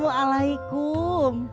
a debthamu alaikum